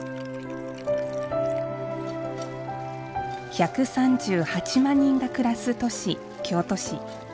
１３８万人が暮らす都市、京都市。